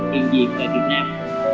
hiện diện tại việt nam